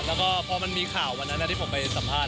และก็เพราะมันมีข่าวที่เมื่อกนั้นที่ผมไปสัมภาษณ์